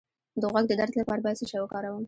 د غوږ د درد لپاره باید څه شی وکاروم؟